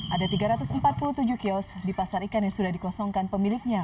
ada tiga ratus empat puluh tujuh kios di pasar ikan yang sudah dikosongkan pemiliknya